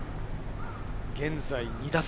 現在２打差。